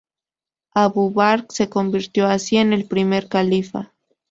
Abu Bakr se convirtió así en el primer califa.